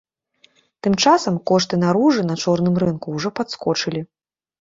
Тым часам, кошты на ружы на чорным рынку ўжо падскочылі.